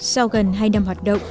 sau gần hai năm hoạt động